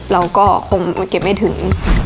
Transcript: เราก็คงมาเก็บไม่ถึง